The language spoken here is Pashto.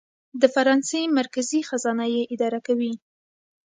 د فرانسې مرکزي خزانه یې اداره کوي.